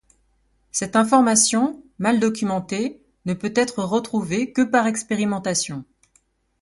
Cette information, mal documentée, ne peut être retrouvée que par expérimentation.